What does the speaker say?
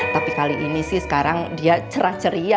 tapi kali ini sih sekarang dia cerah ceria